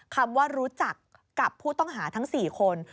คำว่ารู้จักกับผู้ต้องหาทั้ง๔คน